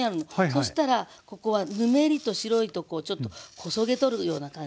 そしたらここはぬめりと白いとこをちょっとこそげ取るような感じ。